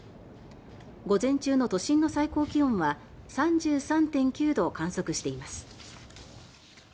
午前中の都心の最高気温は３３．９度を観測しています。